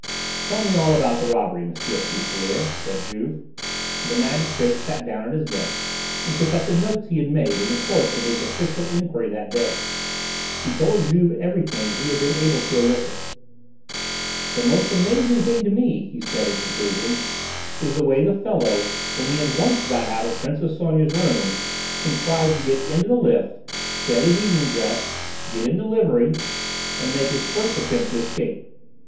"Tell me all about the robbery, M. Fuselier," said Juve. The magistrate sat down at his desk and took up the notes he had made in the course of his official enquiry that day. He told Juve everything he had been able to elicit. "The most amazing thing to me," he said in conclusion, "is the way the fellow, when he had once got out of Princess Sonia's room, contrived to get into the lift, shed his evening dress, get into livery, and make his first attempt to escape.